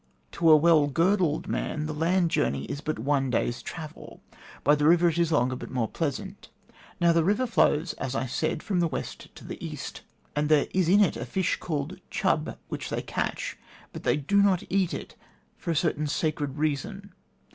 To a well girdled man, the land journey is but one day's travel; by the river it is longer but more pleasant. Now that river flows, as I said, from the west to the east. And there is in it a fish called chub, which they catch; but they do not eat it, for a certain sacred reason.